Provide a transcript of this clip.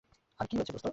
আরে কি হয়েছে, দোস্ত?